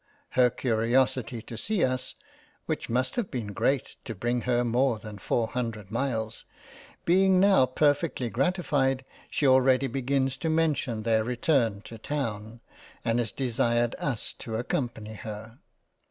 Her curiosity to see us (which must have been great to bring her more than four hundred miles) being now per fectly gratified, she already begins to mention their return to town, and has desired us to accompany her.